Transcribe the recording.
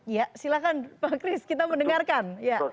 ya silakan pak kris kita mendengarkan